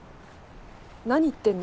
何言ってんの？